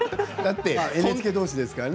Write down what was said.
ＮＨＫどうしですからね。